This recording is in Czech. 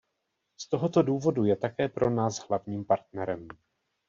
Z tohoto důvodu je také pro nás hlavním partnerem.